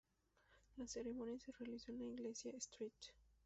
La ceremonia se realizó en la iglesia St.